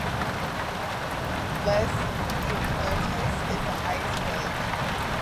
Les Diablerets is the highest village.